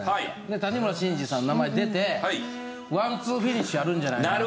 谷村新司さんの名前出てワンツーフィニッシュあるんじゃないかなと。